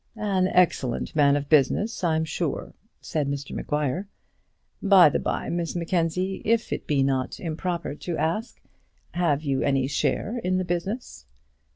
"An excellent man of business; I'm sure," said Mr Maguire. "By the bye, Miss Mackenzie, if it be not improper to ask, have you any share in the business?"